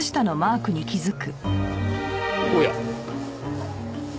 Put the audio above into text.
おや。